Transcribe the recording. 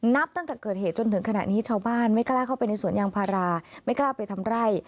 นับตั้งแต่เกิดเหตุจนถึงขณะนี้ชาวบ้านไม่กล้าเข้าไปในสวนยางพาราไม่กล้าไปทำไร่